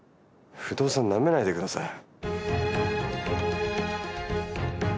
不動産なめないで下さい。